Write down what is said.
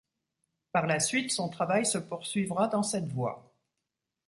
Par la suite son travail se poursuivra dans cette voie.